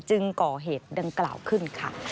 ก่อเหตุดังกล่าวขึ้นค่ะ